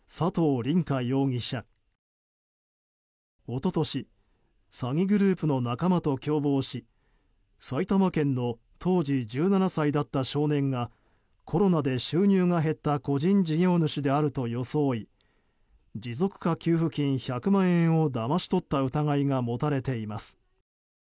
一昨年、詐欺グループの仲間と共謀し埼玉県の当時１７歳だった少年がコロナで収入が減った個人事業主であると装い持続化給付金１００万円をだまし取った疑いが持たれています。